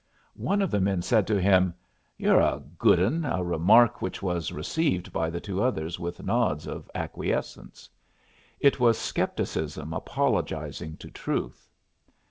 One of the men said to him, "You're a good 'un" a remark which was received by the two others with nods of acquiescence. It was Scepticism apologizing to Truth.